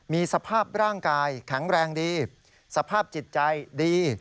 มีสภาพร่างกายแข็งแรงดีสภาพจิตใจดี